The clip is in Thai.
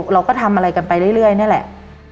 เราก็ทำอะไรกันไปเรื่อยนี่แหละ